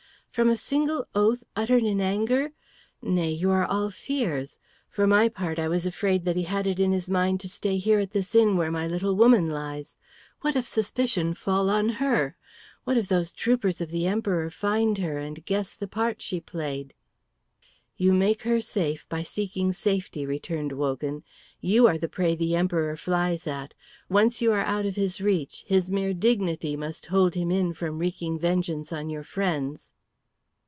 "From a single oath uttered in anger! Nay, you are all fears. For my part, I was afraid that he had it in his mind to stay here at this inn where my little woman lies. What if suspicion fall on her? What if those troopers of the Emperor find her and guess the part she played!" "You make her safe by seeking safety," returned Wogan. "You are the prey the Emperor flies at. Once you are out of reach, his mere dignity must hold him in from wreaking vengeance on your friends."